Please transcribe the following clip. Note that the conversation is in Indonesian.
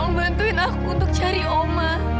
kamu bantuin aku untuk cari oma